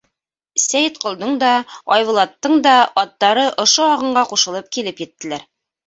Сәйетҡолдоң да, Айбулаттың да аттары ошо ағынға ҡушылып килеп еттеләр.